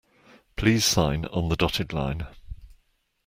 Please sign on the dotted line.